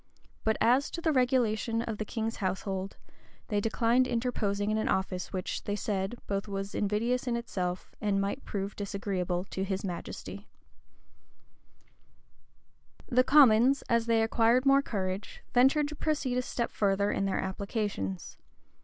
[] But as to the regulation of the king's household, they declined interposing in an office which, they said, both was invidious in itself, and might prove disagreeable to his majesty. * Walsing. p. 150. Rymer, vol. vii. p. 161. The commons, as they acquired more courage, ventured to proceed a step farther in their applications.